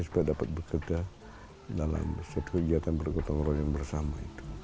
supaya dapat bekerja dalam suatu kegiatan bergotong royong bersama